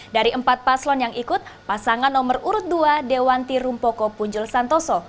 dari empat paslon yang ikut pasangan nomor urut dua dewanti rumpoko punjul santoso